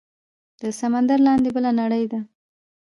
د سمندر لاندې بله نړۍ ده